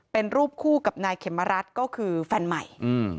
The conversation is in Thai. เป็นรูปคู่กับนายเขมรัฐก็คือแฟนใหม่